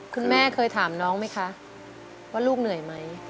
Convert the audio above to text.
คุณแม่เคยถามน้องไหมคะว่าลูกเหนื่อยไหม